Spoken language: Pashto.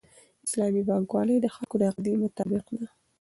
اسلامي بانکوالي د خلکو د عقیدې مطابق ده.